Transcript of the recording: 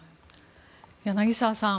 柳澤さん